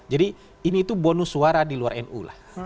jadi ini itu bonus suara di luar nu